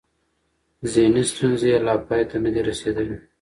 ذهني ستونزې یې لا پای ته نه دي رسېدلې.